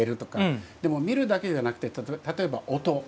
でも見るだけじゃなくて例えば音。